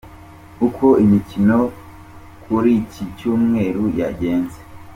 Uko imikino yo kuri iki cyumweru yagenze.